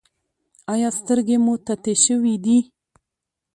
ایا سترګې مو تتې شوې دي؟